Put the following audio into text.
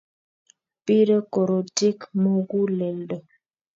Bire korotik muguleldo